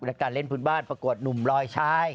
และการเล่นพื้นบ้านประกวดหนุ่มรอยชาย